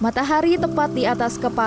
matahari tepat di atas kepala